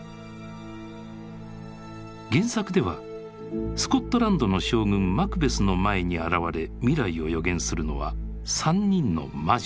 原作ではスコットランドの将軍マクベスの前に現れ未来を予言するのは３人の魔女。